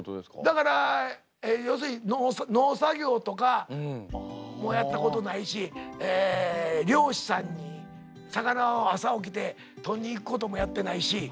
だから要するに農作業とかもやったことないし漁師さんに魚朝起きて取りに行くこともやってないし。